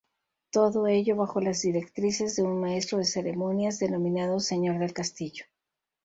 Todo ello bajo las directrices de un maestro de ceremonias, denominado "Señor del Castillo".